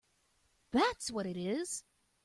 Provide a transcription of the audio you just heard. That’s what it is!